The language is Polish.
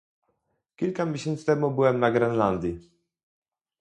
Kilka miesięcy temu byłem na Grenlandii